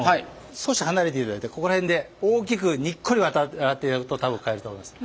少し離れていただいてここら辺で大きくにっこり笑っていただくと多分買えると思います。